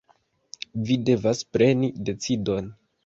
Vi devas preni decidon.